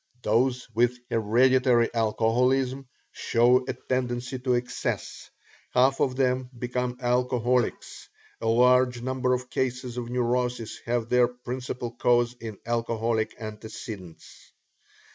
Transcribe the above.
Those with hereditary alcoholism show a tendency to excess; half of them become alcoholics; a large number of cases of neurosis have their principal cause in alcoholic antecedents.